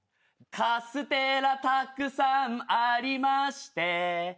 「カステラたくさんありまして」